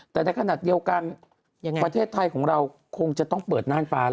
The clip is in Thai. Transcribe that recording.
แต่ในขณะเดียวกันประเทศไทยของเราคงจะต้องเปิดน่านฟ้าแล้ว